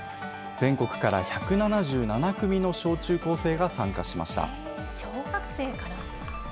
全国から１７７組の小中高生が参小学生から。